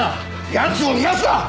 やつを逃がすな！